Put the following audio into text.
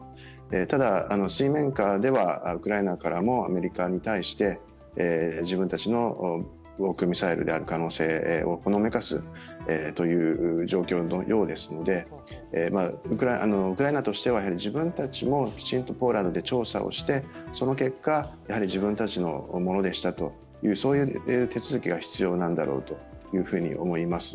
ただ、水面下ではウクライナからもアメリカに対して、自分たちの防空ミサイルである可能性をほのめかすという状況のようですので、ウクライナとしては自分たちもきちんとポーランドで調査をしてその結果、自分たちのものでしたという、そういう手続きが必要なんだろうと思います。